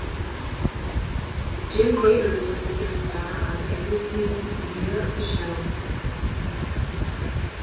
Jim Nabors was the guest star on every season premier of the show.